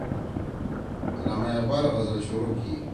علامہ اقبال غزل شروع کی